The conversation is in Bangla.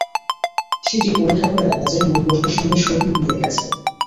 সেটি পরীক্ষা করে দেখা যায়, মূল প্রশ্নের সঙ্গে সবই মিলে গেছে।